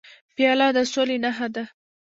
پیاله د سولې نښه ده.